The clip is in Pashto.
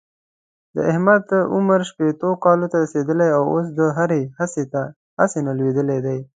د احمد عمر شپېتو کلونو ته رسېدلی اوس د هرې هڅې نه لوېدلی دی.